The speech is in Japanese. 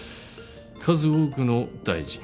数多くの大臣。